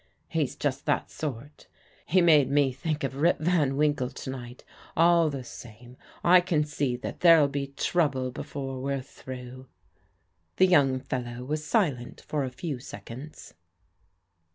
He's just that sort. He made me think of Rip Van Winkle to night. All the same, I can see that there'll be trouble before we're through." The young fellow was silent for a few seconds.